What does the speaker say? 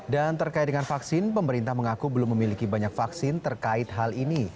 dan terkait dengan vaksin pemerintah mengaku belum memiliki banyak vaksin terkait hal ini